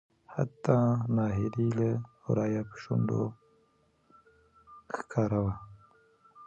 حتا نهيلي له ورايه په شنډو خوره وه .